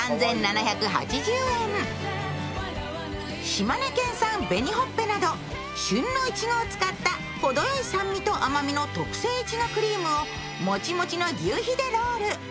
島根県産紅ほっぺなど旬のいちごを使った程よい酸味と甘みの特製いちごクリームをもちもちの求肥でロール。